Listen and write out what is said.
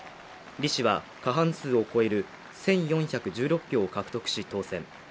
李氏は過半数を超える１４１６票を獲得し当選。